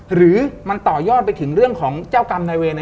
หรือมันต่อยอดไปถึงเรื่องของเจ้ากรรมนายเวร